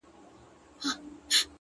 ستا شاعري گرانه ستا اوښکو وړې ـ